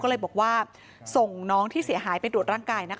ก็เลยบอกว่าส่งน้องที่เสียหายไปตรวจร่างกายนะคะ